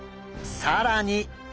更に！